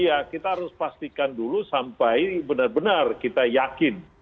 iya kita harus pastikan dulu sampai benar benar kita yakin